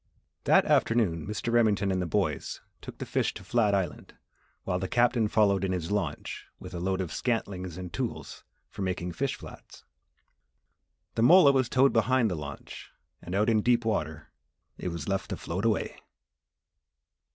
That afternoon, Mr. Remington and the boys took the fish to Flat Island while the Captain followed in his launch with a load of scantlings and tools for making fish flats. The mola was towed behind the launch and out in deep water it was left to float away.